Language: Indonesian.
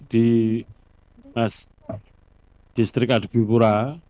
di distrik ab pura